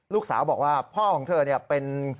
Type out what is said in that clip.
ลูกสาวบอกว่าพ่อของเธอเป็น